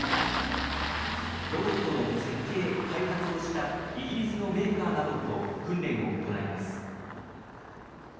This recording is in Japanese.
ロボットの設計・開発をしたイギリスのメーカーなどと訓練を行います。